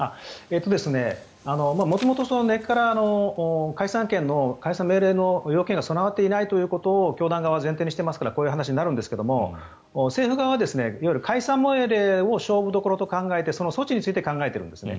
元々、根っから解散命令の要件が備わっていないことを教団側は前提にしていますからこういう話になるんですが政府側はいわゆる解散命令を勝負どころと考えてその措置について考えているんですね。